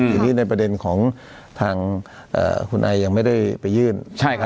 ทีนี้ในประเด็นของทางคุณไอยังไม่ได้ไปยื่น